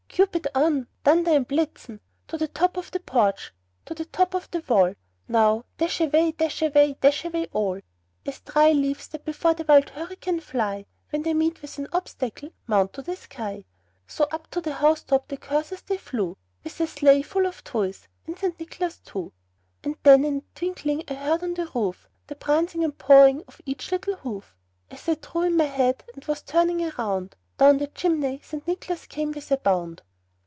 Cupid, on! Dunder and Blitzen To the top of the porch, to the top of the wall! Now, dash away, dash away, dash away all!" As dry leaves that before the wild hurricane fly, When they meet with an obstacle, mount to the sky, So, up to the house top the coursers they flew, With a sleigh full of toys and St. Nicholas too. And then in a twinkling I heard on the roof, The prancing and pawing of each little hoof. As I drew in my head, and was turning around, Down the chimney St. Nicholas came with a bound.